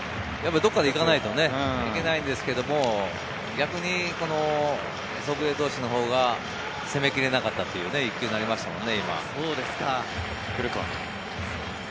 どこかで行かないといけないんですけども逆に、祖父江投手のほうが攻め切れなかったという一球になりましたね。